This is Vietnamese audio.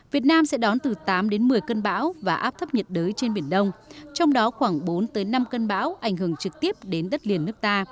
việt nam sẽ đón từ tám đến một mươi cơn bão và áp thấp nhiệt đới trên biển đông trong đó khoảng bốn tới năm cơn bão ảnh hưởng trực tiếp đến đất liền nước ta